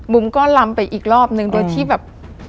ก็ลำไปอีกรอบนึงโดยที่แบบ